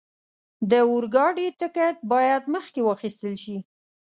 د اورګاډي ټکټ باید مخکې واخستل شي.